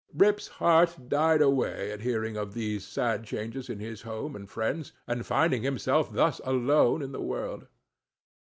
Rip's heart died away at hearing of these sad changes in his home and friends, and finding himself thus alone in the world.